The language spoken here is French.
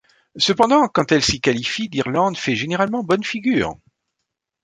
Cependant, quand elle s'y qualifie, l'Irlande fait généralement bonne figure.